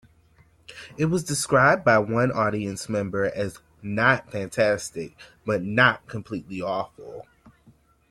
It was described by one audience member as "not fantastic, but not completely awful".